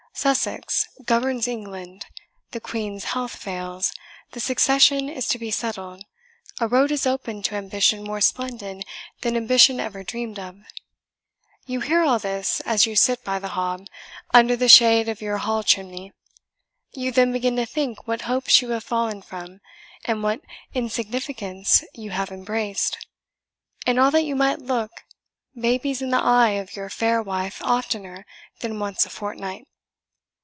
Sussex governs England the Queen's health fails the succession is to be settled a road is opened to ambition more splendid than ambition ever dreamed of. You hear all this as you sit by the hob, under the shade of your hall chimney. You then begin to think what hopes you have fallen from, and what insignificance you have embraced; and all that you might look babies in the eyes of your fair wife oftener than once a fortnight."